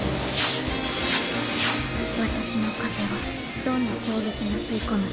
私の風はどんな攻撃も吸い込むの。